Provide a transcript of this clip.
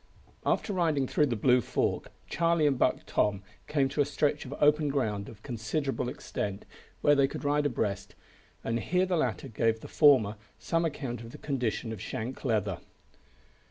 After riding through the Blue Fork Charlie and Buck Tom came to a stretch of open ground of considerable extent, where they could ride abreast, and here the latter gave the former some account of the condition of Shank Leather.